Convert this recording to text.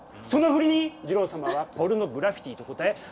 その振りにじろう様は「ポルノグラフィティ」と答え